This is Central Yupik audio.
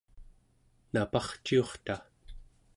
naparciurta